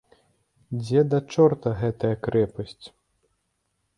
Дзе да чорта гэтая крэпасць?